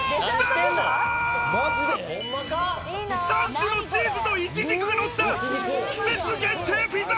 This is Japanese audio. ３種のチーズとイチジクがのった季節限定ピザ！